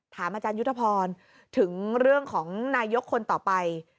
ถามอาจารยุทธพรถึงเรื่องของนายกคนต่อไป